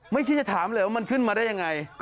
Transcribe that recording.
คิดจะถามเลยว่ามันขึ้นมาได้ยังไง